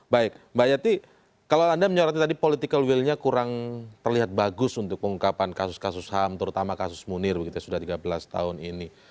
baik mbak yati kalau anda menyoroti tadi political will nya kurang terlihat bagus untuk pengungkapan kasus kasus ham terutama kasus munir begitu sudah tiga belas tahun ini